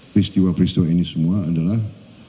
peristiwa peristiwa ini semua adalah